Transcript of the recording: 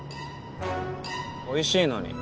おいしいのに。